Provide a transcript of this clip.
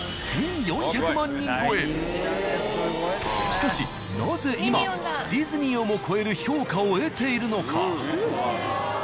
しかしなぜ今ディズニーをも超える評価を得ているのか。